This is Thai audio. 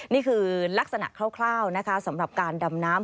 นี่คือลักษณะคร่าวนะคะสำหรับการดำน้ำ